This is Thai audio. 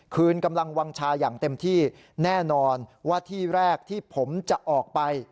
คืนกำลังวางชาอย่างเต็มที่แน่นอนว่าที่แรกที่ผมจะออกไป